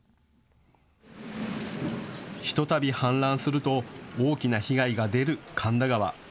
ひとたび氾濫すると大きな被害が出る神田川。